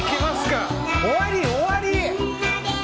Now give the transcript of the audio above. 終わり終わり！